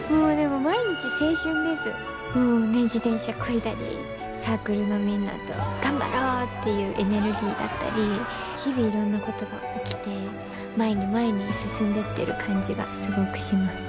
もうね自転車こいだりサークルのみんなと頑張ろうっていうエネルギーだったり日々いろんなことが起きて前に前に進んでってる感じがすごくします。